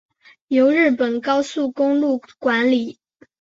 由中日本高速公路管理。